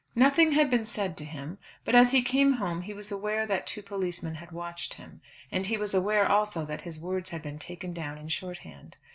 Nothing had been said to him; but as he came home he was aware that two policemen had watched him. And he was aware also that his words had been taken down in shorthand.